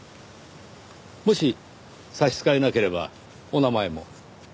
もし差し支えなければお名前も。